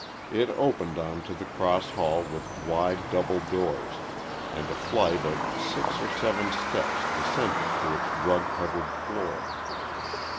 It opened on to the cross hall with wide double doors, and a flight of six or seven steps descended to its rug covered floor.